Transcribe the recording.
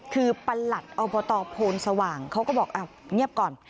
คือประหลัดอบตโพนสว่างเขาก็บอกเงียบก่อน